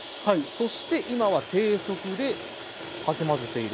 そして今は低速でかき混ぜている。